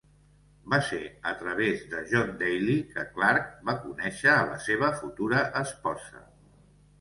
Va ser a través de John Daly que Clarke va conèixer a la seva futura esposa.